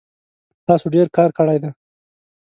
تاسو ډیر کار کړی دی